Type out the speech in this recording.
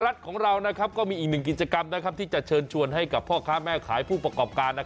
รัฐของเราก็มีอีกหนึ่งกิจกรรมที่จะเชิญชวนให้กับพ่อค้าแม่ขายผู้ประกอบการ